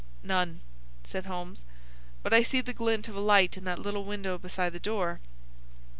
"None," said Holmes. "But I see the glint of a light in that little window beside the door."